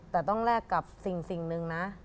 แต่ต้องแลกกับสิ่งหนึ่งนะ